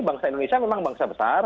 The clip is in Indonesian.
bangsa indonesia memang bangsa besar